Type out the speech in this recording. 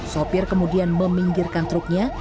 sopir kemudian meminggirkan truknya